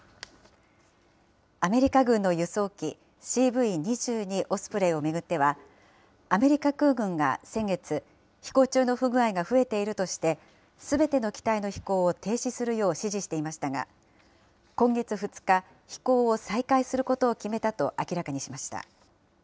アメリカ軍の輸送機、ＣＶ２２オスプレイを巡っては、アメリカ空軍が先月、飛行中の不具合が増えているとして、すべての機体の飛行を停止するよう指示していましたが、今月２日、飛行を再開することを決めたと明らかにしました。